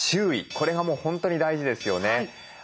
これがもう本当に大事ですよね。